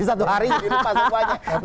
satu hari jadi lupa semuanya